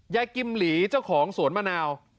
กิมหลีเจ้าของสวนมะนาว